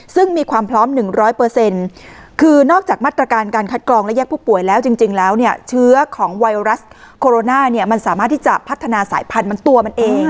ซึ่งมีความพร้อม๑๐๐คือนอกจากมาตรการการคัดกรองและแยกผู้ป่วยแล้วจริงแล้วเนี่ยเชื้อของไวรัสโคโรนาเนี่ยมันสามารถที่จะพัฒนาสายพันธุ์มันตัวมันเอง